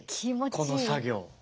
この作業。